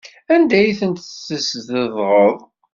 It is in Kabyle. Anda ay tent-teszedɣeḍ?